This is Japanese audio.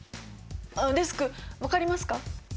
デスク分かりますか？